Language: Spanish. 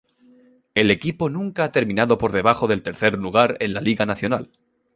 El equipo nunca ha terminado por debajo del tercer lugar en la liga nacional.